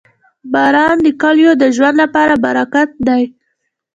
• باران د کلیو د ژوند لپاره برکت دی.